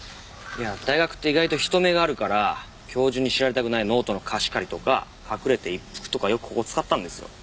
大学って意外と人目があるから教授に知られたくないノートの貸し借りとか隠れて一服とかよくここ使ったんですよ。